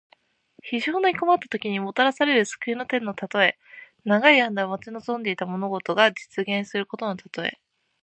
非常に困ったときに、もたらされる救いの手のたとえ。長い間待ち望んでいた物事が実現することのたとえ。